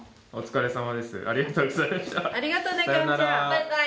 バイバイ。